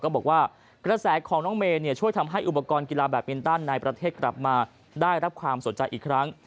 บอกว่ากระแสของน้องเมย์ช่วยทำให้อุปกรณ์กีฬาแบบมินตันในประเทศกลับมาได้รับความสนใจอีกครั้ง